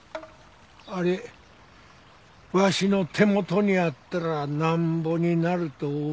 あれわしの手元にあったらなんぼになると思う？